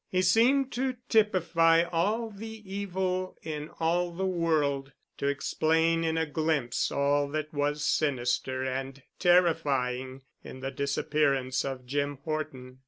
He seemed to typify all the evil in all the world—to explain in a glimpse all that was sinister and terrifying in the disappearance of Jim Horton.